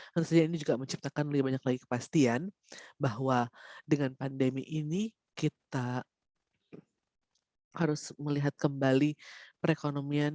tentu saja ini juga menciptakan lebih banyak lagi kepastian bahwa dengan pandemi ini kita harus melihat kembali perekonomian